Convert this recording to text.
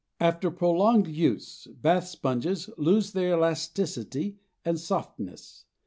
After prolonged use, bath sponges lose their elasticity and softness.